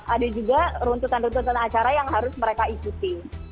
ada juga runtutan runtutan acara yang harus mereka ikuti